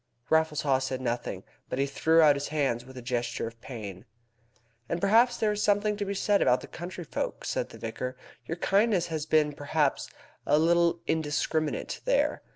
Raffles Haw said nothing, but he threw out his hands with a gesture of pain. "And then there is something to be said about the country folk," said the vicar. "Your kindness has been, perhaps, a little indiscriminate there.